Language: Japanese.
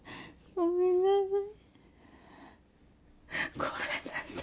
ごめんなさい。